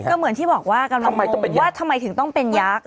ก็เหมือนที่บอกว่ากำลังว่าทำไมถึงต้องเป็นยักษ์